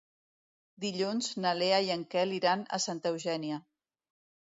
Dilluns na Lea i en Quel iran a Santa Eugènia.